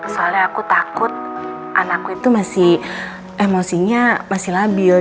soalnya aku takut anakku itu masih emosinya masih labil